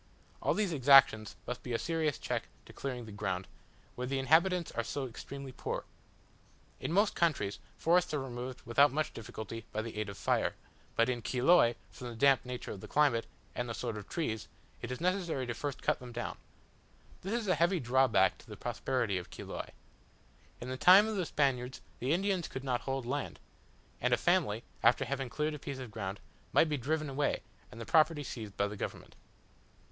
All these exactions must be a serious check to clearing the ground, where the inhabitants are so extremely poor. In most countries, forests are removed without much difficulty by the aid of fire; but in Chiloe, from the damp nature of the climate, and the sort of trees, it is necessary first to cut them down. This is a heavy drawback to the prosperity of Chiloe. In the time of the Spaniards the Indians could not hold land; and a family, after having cleared a piece of ground, might be driven away, and the property seized by the government.